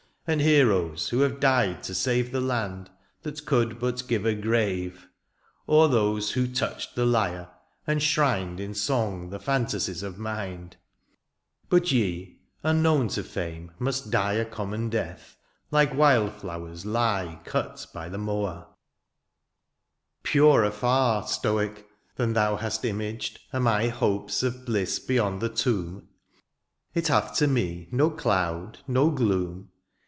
89 ^^ And heroes who have died to save ^^ The land that could but give a grave ;'^ Or those who touched the Ijre and shrined ^^ In song the fantasies of mind ;" But ye, unknown to fame, must die ^^ A common death, like wild flowers lie ^^ Cut by the mower/' ^^ Purer far, ^^ Stoic, than thou hast imaged, are ^^ My hopes of bliss beyond the tomb ;" It hath to me no cloud, no gloom.